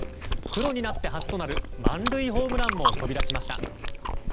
プロになって初となる満塁ホームランも飛び出しました。